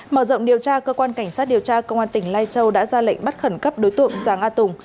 mở rộng điều tra cơ quan cảnh sát điều tra công an tỉnh lai châu đã ra lệnh bắt khẩn cấp đối tượng giàng a tùng